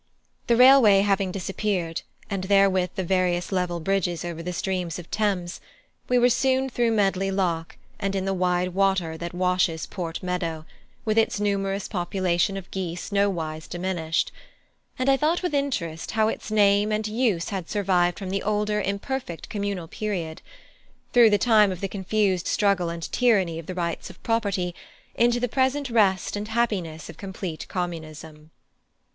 The railway having disappeared, and therewith the various level bridges over the streams of Thames, we were soon through Medley Lock and in the wide water that washes Port Meadow, with its numerous population of geese nowise diminished; and I thought with interest how its name and use had survived from the older imperfect communal period, through the time of the confused struggle and tyranny of the rights of property, into the present rest and happiness of complete Communism.